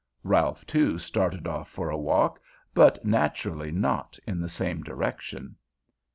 Ralph, too, started off for a walk, but naturally not in the same direction.